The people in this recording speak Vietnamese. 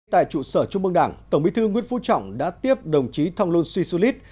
tại trụ sở trung mương đảng tổng bí thư nguyễn phú trọng đã tiếp đồng chí thonglun sisulit